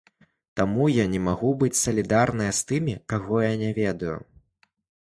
Таму я не магу быць салідарная з тымі, каго я не ведаю.